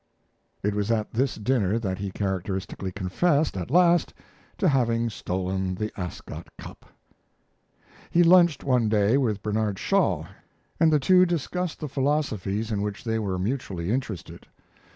It was at this dinner that he characteristically confessed, at last, to having stolen the Ascot Cup. He lunched one day with Bernard Shaw, and the two discussed the philosophies in which they were mutually interested.